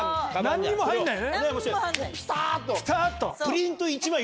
何も入んない。